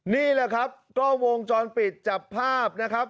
นี่แหละครับกล้องวงจรปิดจับภาพนะครับ